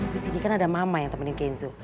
di sini kan ada mama yang temenin kenzo